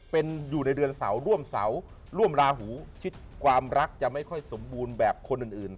เป็นอยู่ในเดือนเสาร่วมเสาร่วมราหูชิดความรักจะไม่ค่อยสมบูรณ์แบบคนอื่น